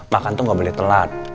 makan tuh gak boleh telat